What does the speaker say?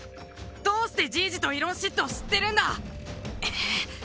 どうしてじいじとイロンシッドを知ってるんだ！